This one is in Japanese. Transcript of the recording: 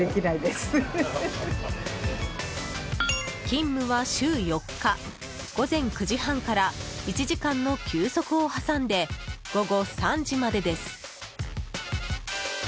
勤務は週４日午前９時半から１時間の休息を挟んで午後３時までです。